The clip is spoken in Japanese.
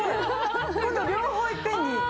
今度両方いっぺんに。